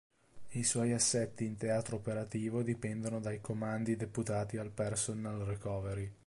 I suoi assetti in teatro operativo dipendono dai Comandi deputati al "Personnel recovery".